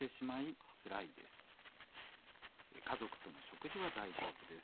家族との食事は大丈夫です」。